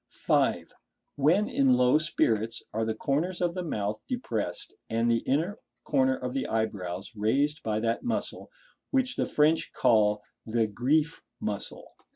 (5.) When in low spirits, are the corners of the mouth depressed, and the inner corner of the eyebrows raised by that muscle which the French call the "Grief muscle"?